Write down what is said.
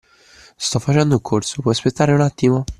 Sto facendo un corso, puoi aspettare un attimo?